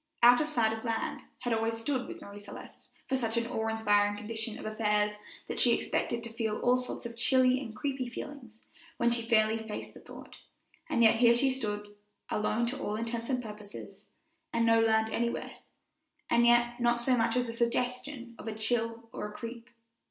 "Out of sight of land" had always stood with Marie Celeste for such an awe inspiring condition of affairs that she expected to feel all sorts of chilly and creepy feelings when she fairly faced the thought; and yet here she stood, alone to all intents and purposes, and no land anywhere, and yet not so much as the suggestion of a chill or a creep.